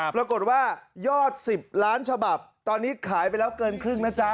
ปรากฏว่ายอด๑๐ล้านฉบับตอนนี้ขายไปแล้วเกินครึ่งนะจ๊ะ